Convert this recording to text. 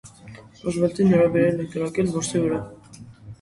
Ռուզվելտին հրավիրել են կրակել որսի վրա։